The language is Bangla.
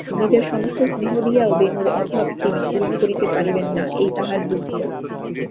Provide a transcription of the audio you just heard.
নিজের সমস্ত স্নেহ দিয়াও বেণুর অভাব তিনি পূরণ করিতে পরিবেন না এই তাঁহার দুঃখ।